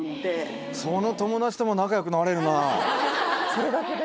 それだけで？